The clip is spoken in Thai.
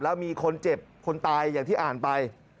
แล้วมีคนเจ็บคนตายอย่างที่อ่านไป